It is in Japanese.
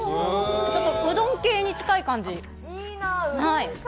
ちょっとうどん系に近い感じ。